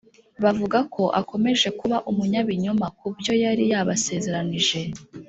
Bavuga ko akomeje kuba umunyabinyoma kubyo yari yabasezeranyije